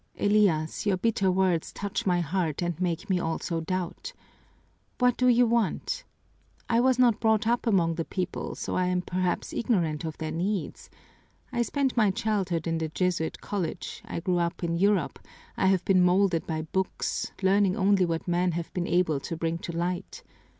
"Elias, your bitter words touch my heart and make me also doubt. What do you want? I was not brought up among the people, so I am perhaps ignorant of their needs. I spent my childhood in the Jesuit college, I grew up in Europe, I have been molded by books, learning only what men have been able to bring to light.